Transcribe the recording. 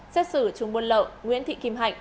xét xử chúng buôn lợi nguyễn thị kim hạnh